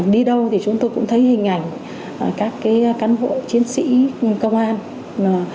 đi đâu thì chúng tôi cũng thấy hình ảnh các căn hộ chiến sĩ công an